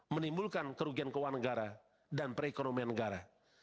menimbulkan kerugian keuangan negara dan perekonomian negara